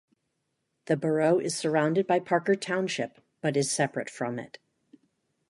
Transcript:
The borough is surrounded by Parker Township but is separate from it.